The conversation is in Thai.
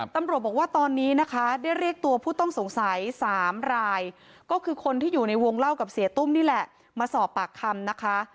ตำรวจบอกว่าตอนนี้นะคะได้เรียกตัวผู้ต้องสงสัย๓รายก็คือคนที่อยู่ในวงเล่ากับเสียตุ้มนี่แหละมาสอบปากคำนะคะ